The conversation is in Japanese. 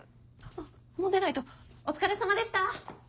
あっもう出ないとお疲れさまでした！